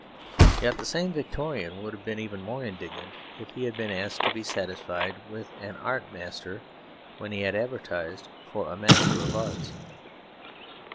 Yet the same Victorian would have been even more indignant if he had been asked to be satisfied with an Art Master, when he had advertised for a Master of Arts.